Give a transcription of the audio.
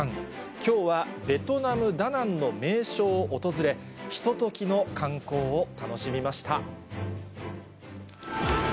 きょうはベトナム・ダナンの名所を訪れ、ひとときの観光を楽しみました。